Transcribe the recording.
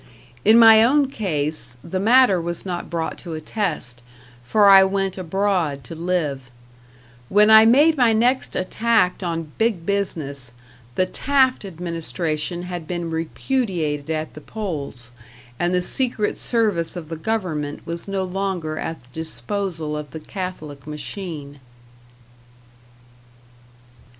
In my own case, the matter was not brought to a test, for I went abroad to live; when I made my next attack on Big Business, the Taft administration had been repudiated at the polls, and the Secret Service of the government was no longer at the disposal of the Catholic machine.